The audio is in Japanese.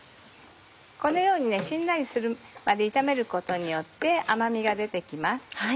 このようにしんなりするまで炒めることによって甘みが出て来ます。